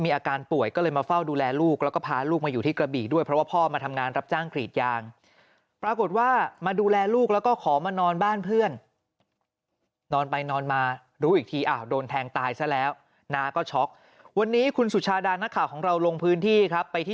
มีอาการป่วยก็เลยมาเฝ้าดูแลลูกแล้วก็พาลูกมาอยู่ที่กระบี